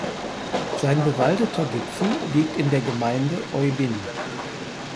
Sein bewaldeter Gipfel liegt in der Gemeinde Oybin.